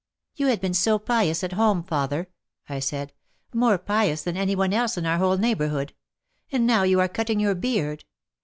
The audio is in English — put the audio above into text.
"You had been so pious at home, father," I said, "more pious than any one else in our whole neighbour hood. And now you are cutting your beard.